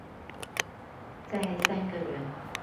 再三個人